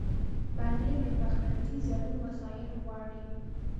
پنېر د پخلنځي ضرور وسایل غواړي.